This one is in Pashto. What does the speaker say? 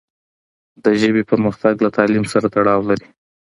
د ژبې پرمختګ له تعلیم سره تړاو لري.